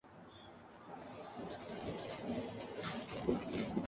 Valencia se refiere a menudo como "la puerta del sur de Francia".